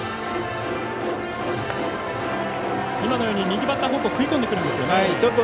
右バッター方向食い込んでくるんですよね。